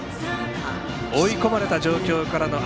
追い込まれた状況からの。